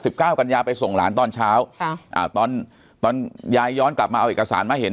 เก้ากันยาไปส่งหลานตอนเช้าค่ะอ่าตอนตอนยายย้อนกลับมาเอาเอกสารมาเห็น